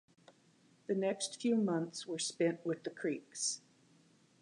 The next few months were spent with the Creeks.